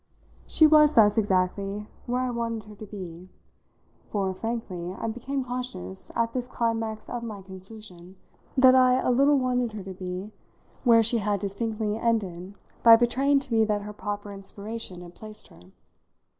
She was thus exactly where I wanted her to be, for, frankly, I became conscious, at this climax of my conclusion, that I a little wanted her to be where she had distinctly ended by betraying to me that her proper inspiration had placed her.